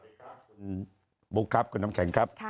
สวัสดีครับคุณบุ๊คครับคุณน้ำแข็งครับ